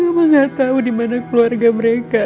tapi mama gak tau dimana keluarga mereka